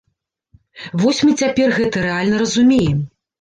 Вось мы цяпер гэта рэальна разумеем.